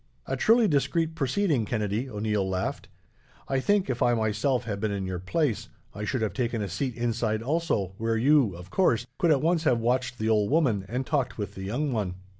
"A truly discreet proceeding, Kennedy," O'Neil laughed. "I think, if I myself had been in your place, I should have taken a seat inside also, where you, of course, could at once have watched the old woman, and talked with the young one."